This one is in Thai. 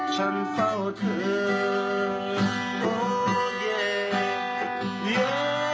ฉันเฝ้าเธอ